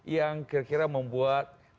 yang kira kira membuat